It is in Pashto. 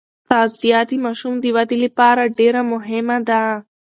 تغذیه د ماشوم د ودې لپاره ډېره مهمه ده.